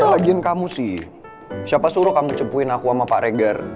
kalau lagiin kamu sih siapa suruh kamu cepuin aku sama pak regar